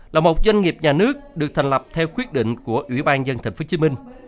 là một doanh nghiệp nhà nước được thành lập theo quyết định của ủy ban dân tp hcm